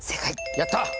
やった！